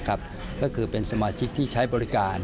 ก็คือเป็นสมาชิกที่ใช้บริการ